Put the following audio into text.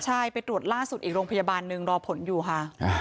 ใช่ไปตรวจล่าสุดอีกโรงพยาบาลหนึ่งรอผลอยู่ค่ะ